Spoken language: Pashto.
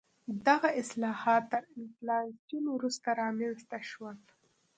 دغه اصلاحات تر انفلاسیون وروسته رامنځته شول.